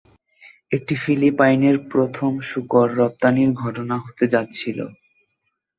এটি ফিলিপাইনের প্রথম শূকর রপ্তানির ঘটনা হতে যাচ্ছিল।